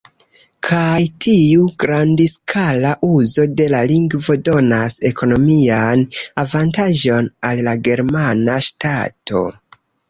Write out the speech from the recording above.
Kaj tiu grandskala uzo de la lingvo donas ekonomian avantaĝon al la germana ŝtato.